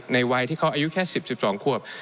ในวัยที่เขาอายุแค่๑๐อย่าง๑๒ควบ